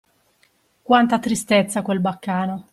Quanta tristezza quel baccano!